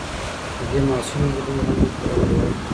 د دې معصومي نجلۍ غم یې خوړلی وای